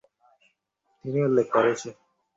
তিনি উল্লেখ করেছেন।